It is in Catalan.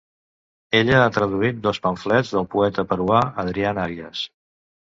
Ella ha traduït dos pamflets del poeta peruà Adrián Arias.